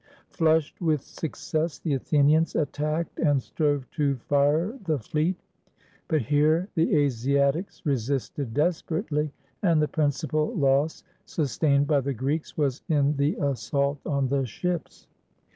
Flushed with success, the Athenians attacked and strove to fire the fleet. But here the Asiatics resisted desperately, and the principal loss sustained by the Greeks was in the assault on the ships.